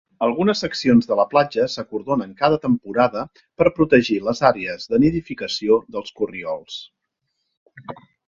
Algunes seccions de la platja s'acordonen cada temporada per protegir les àrees de nidificació dels corriols.